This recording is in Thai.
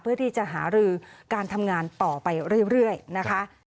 เพื่อที่จะหารือการทำงานต่อไปเรื่อยนะคะ